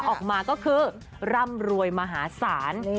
ออกมาก็คือร่ำรวยมหาศาล